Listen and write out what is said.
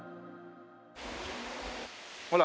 ほら。